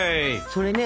それね